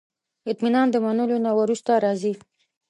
اطمینان د منلو نه وروسته راځي.